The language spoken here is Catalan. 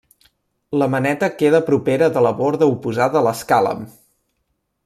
La maneta queda propera de la borda oposada a l'escàlem.